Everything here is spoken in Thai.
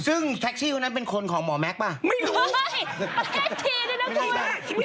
ซึ่งแท็กซี่คนนั้นเป็นคนของหมอแม็คป่าว